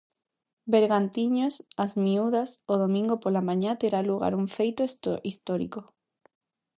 Bergantiños - As Miúdas o domingo pola mañá terá lugar un feito histórico.